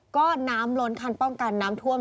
ก็น้ำล้นคันป้องกันน้ำท่วม